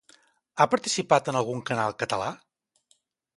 Ha participat en algun canal català?